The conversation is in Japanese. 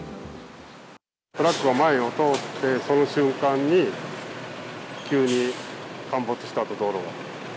トラックが前を通って、その瞬間に、急に陥没したと、道路が。